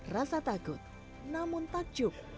rasa takut namun takjub